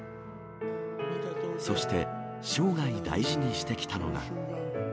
そして、生涯大事にしてきたのが。